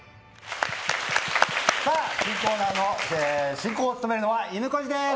新コーナーの進行を務めるのはいぬこじです！